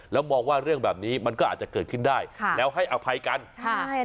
แล้วมองว่าเรื่องแบบนี้มันก็อาจจะเกิดขึ้นได้แล้วให้อภัยกันใช่